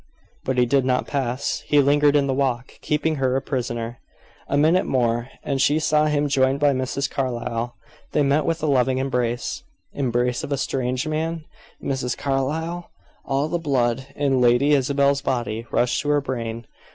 But he did not pass. He lingered in the walk, keeping her a prisoner. A minute more and she saw him joined by Mrs. Carlyle. They met with a loving embrace. Embrace a strange man? Mrs. Carlyle? All the blood in Lady Isabel's body rushed to her brain.